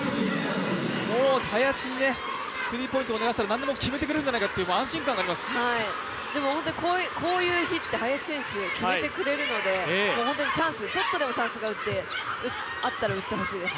林にスリーポイントを狙わせたら決めてくれるんじゃないかとこういう日って林選手、決めてくれるので本当にちょっとでもチャンスがあったら打ってほしいです。